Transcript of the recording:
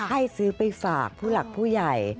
ให้ซื้อไปฝากผู้หลักผู้ใหญ่